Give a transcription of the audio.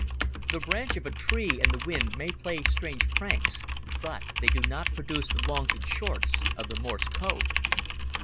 The branch of a tree and the wind may play strange pranks, but they do not produce the longs and shorts of the Morse Code.